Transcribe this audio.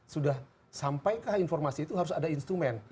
sudah sampai ke informasi itu harus ada instrumen